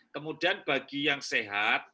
kemudian bagi yang sehat